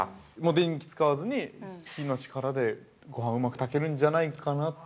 電気を使わずに、火の力でうまく炊けるんじゃないかなって。